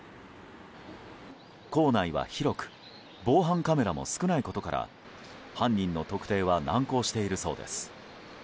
構内は広く防犯カメラも少ないことから犯人の特定は難航しているそうです。